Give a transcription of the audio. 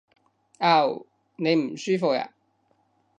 嗷！你唔舒服呀？